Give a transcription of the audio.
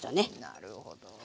なるほど。